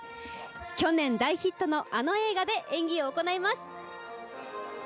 去年大ヒットのあの映画で演技を行います。